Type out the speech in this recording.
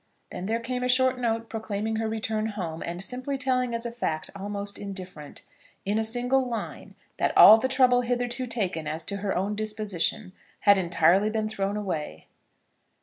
Then there came a short note, proclaiming her return home, and simply telling as a fact almost indifferent, in a single line, that all the trouble hitherto taken as to her own disposition had entirely been thrown away.